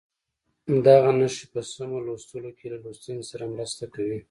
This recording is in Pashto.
دغه نښې په سمو لوستلو کې له لوستونکي سره مرسته کوي.